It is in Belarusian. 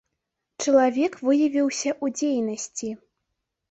Чалавек выявіўся ў дзейнасці.